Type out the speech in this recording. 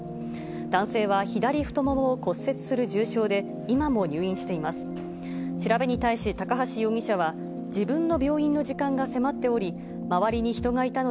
男性は左太ももを骨折する重傷で、今も入院しています。